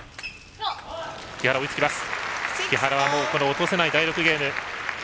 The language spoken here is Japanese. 木原はもう落とせない第６ゲーム。